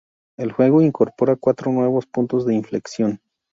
El juego incorpora cuatro nuevos puntos de inflexión.